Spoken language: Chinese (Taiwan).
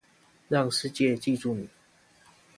讓世界記住你